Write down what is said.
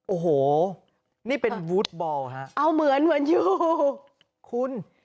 โอ้โหนี่เป็นวูดบอลฮะเอาเหมือนเหมือนอยู่คุณ